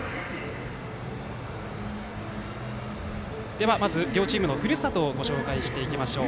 ではまず、両チームのふるさとをご紹介していきましょう。